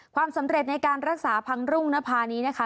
ความสำเร็จในการรักษาพังรุ่งนภานี้นะคะ